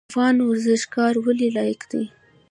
افغان ورزشکاران ولې لایق دي؟